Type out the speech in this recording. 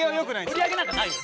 売り上げなんかないです。